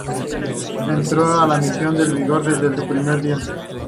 Entró en la misión con vigor desde su primer día.